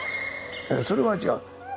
それは違う。